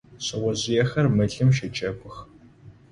Шъэожъыехэр мылым щэджэгух.